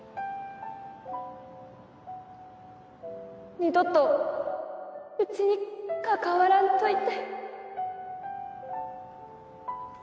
二度とうちに関わらんといて